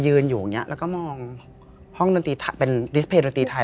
อยู่อย่างนี้แล้วก็มองห้องดนตรีเป็นดิสเพยดนตรีไทย